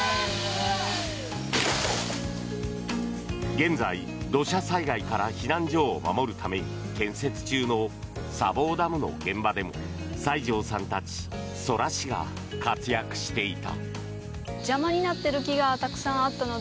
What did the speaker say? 現在、土砂災害から避難所を守るために建設中の砂防ダムの現場でも西條さんたち、空師が活躍していた。